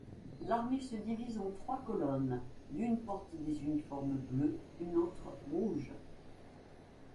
L'armée se divise en trois colonnes, l'une porte des uniformes bleus, une autre rouges.